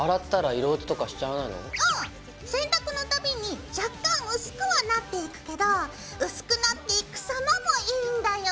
洗濯のたびに若干薄くはなっていくけど薄くなっていく様もいいんだよ。